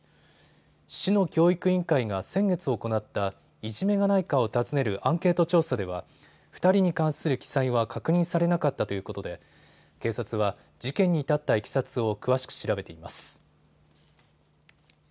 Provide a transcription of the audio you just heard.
市の教育委員会が先月行ったいじめがないかを尋ねるアンケート調査では２人に関する記載は確認されなかったということで、警察は事件に至ったいきさつを詳しく調べています。